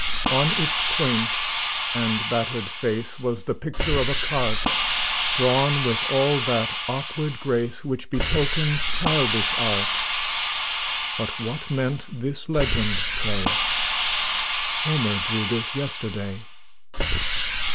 On its quaint and battered face Was the picture of a cart, Drawn with all that awkward grace Which betokens childish art; But what meant this legend, pray: "Homer drew this yesterday?"